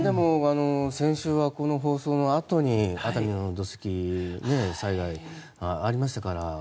先週はこの番組のあとに熱海の土石流災害がありましたから。